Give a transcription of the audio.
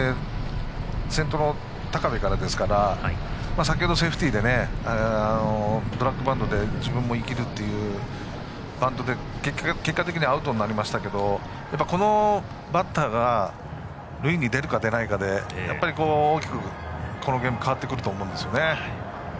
先頭の高部からですから先ほど、セーフティーでドラッグバントで自分も生きるというバントで結果的にはアウトでしたがこのバッターが塁に出るか出ないかでやっぱり大きく、このゲームは変わってくると思うんですね。